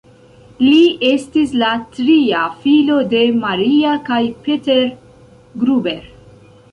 Li estis la tria filo de Maria kaj Peter Gruber.